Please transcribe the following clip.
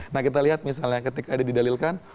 nah kita lihat misalnya ketika ada didalilkan